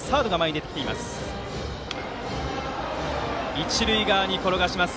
一塁側に転がします。